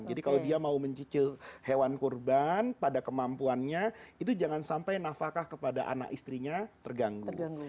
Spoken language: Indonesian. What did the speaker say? jadi kalau dia mau mencicil hewan kurban pada kemampuannya itu jangan sampai nafakah kepada anak istrinya terganggu